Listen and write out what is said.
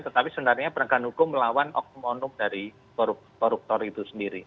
tetapi sebenarnya penegakan hukum melawan oknum oknum dari koruptor itu sendiri